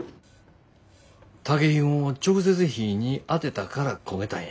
竹ひごを直接火ぃに当てたから焦げたんや。